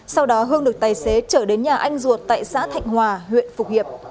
sau đó hương được tài xế trở đến nhà anh ruột tại xã thạnh hòa huyện phục hiệp